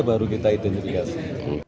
baru kita identifikasi